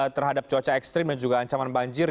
terhadap cuaca ekstrim dan juga ancaman banjir